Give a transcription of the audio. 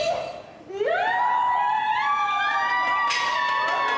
うわ！